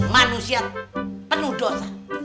manusia penuh dosa